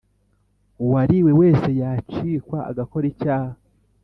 Uwariwe wese yacikwa agakora icyaha